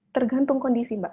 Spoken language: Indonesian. tergantung kondisi mba